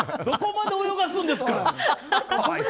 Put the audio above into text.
どこまで泳がすんですか！